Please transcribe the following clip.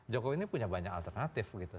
jokowi ini punya banyak alternatif gitu